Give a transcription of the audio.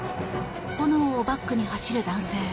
炎をバックに走る男性。